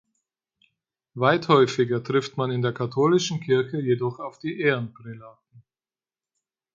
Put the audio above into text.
Weit häufiger trifft man in der katholischen Kirche jedoch auf die "Ehrenprälaten".